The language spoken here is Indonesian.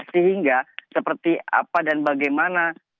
sehingga seperti apa dan bagaimana